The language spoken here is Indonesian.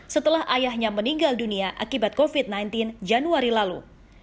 setelah ayahnya meninggal dunia akibat covid sembilan belas januari lalu